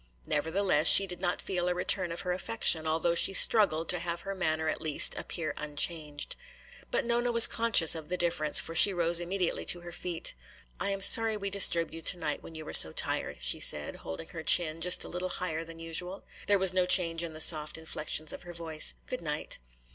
Nevertheless, she did not feel a return of her affection, although she struggled to have her manner at least appear unchanged. But Nona was conscious of the difference, for she rose immediately to her feet. "I am sorry we disturbed you tonight when you were so tired," she said, holding her chin just a little higher than usual. There was no change in the soft inflections of her voice. "Good night."